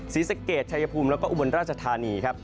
ศรีสะเกดชายภูมิแล้วก็อุบลราชธานีครับ